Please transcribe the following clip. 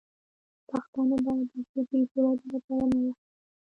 پښتانه باید د ژبې د ودې لپاره نوښت ولري.